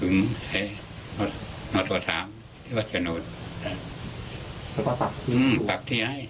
อืมผักทีให้